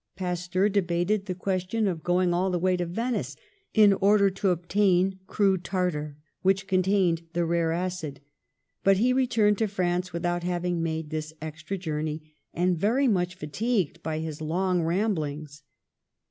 Pasteur debated the question of going all the way to Venice in order to obtain crude tartar which contained the rare acid, but he re turned to France without having made this ex tra journey and very much fatigued by his long ramblings.